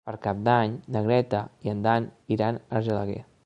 Per Cap d'Any na Greta i en Dan iran a Argelaguer.